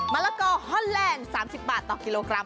ละกอฮอนแลนด์๓๐บาทต่อกิโลกรัม